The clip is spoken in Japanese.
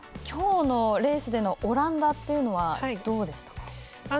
きょうのレースでのオランダというのはどうでしたか。